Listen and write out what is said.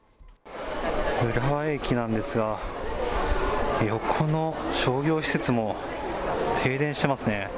浦和駅なんですが、横の商業施設も停電してますね。